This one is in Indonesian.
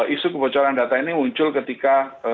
isu kebocoran data ini muncul ketika